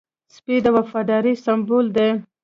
سپي د وفادارۍ سمبول دی.